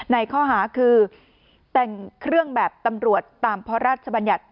ในข้อหาคือแต่งเครื่องแบบตำรวจตามพระราชบัญญัติ